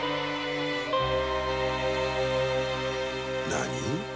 何？